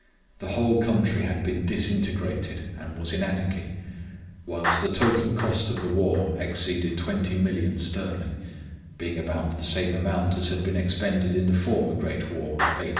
The whole country had been disintegrated and was in anarchy; whilst the total cost of the war exceeded twenty millions sterling, being about the same amount as had been expended in the former great war of 1839 41.